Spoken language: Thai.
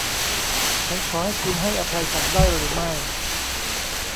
ฉันขอให้คุณให้อภัยฉันได้หรือไม่